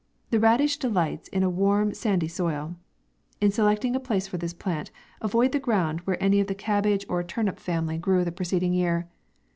The radish delights in a warm, sandy soil. In selecting a place for this plant, avoid the ground where anv of the cabbage or turnip H2 90 MAY. family grew the preceding year.